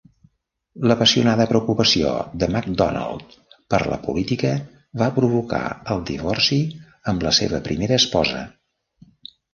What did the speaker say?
La apassionada preocupació de McDonald per la política va provocar el divorci amb la seva primera esposa.